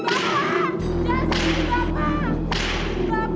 nama sebenarnya percaya beginner yang menjelaskan gibi